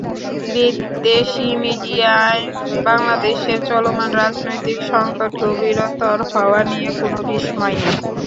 বিদেশি মিডিয়ায় বাংলাদেশের চলমান রাজনৈতিক সংকট গভীরতর হওয়া নিয়ে কোনো বিস্ময় নেই।